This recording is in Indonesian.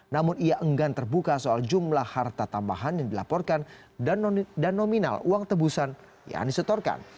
namun ia enggan terbuka soal jumlah harta tambahan yang dilaporkan dan nominal uang tebusan yang disetorkan